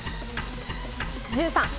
１３。